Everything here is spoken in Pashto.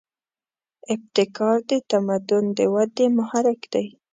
ابتکار د تمدن د ودې محرک دی.